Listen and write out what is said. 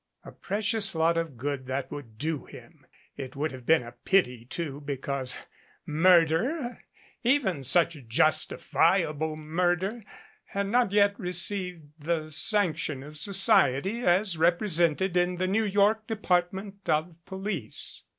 A pre cious lot of good that would do him ! It would have been a pity, too, because murder, even such justifiable murder, had not yet received the sanction of society as repre sented in the New York Department of Police.